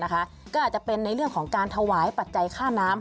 ก็อาจจะเป็นในเรื่องของการถวายปัจจัยค่าน้ำ